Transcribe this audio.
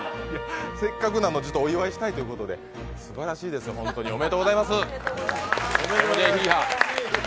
せっかくなのでお祝いしたいということでおめでとうございます。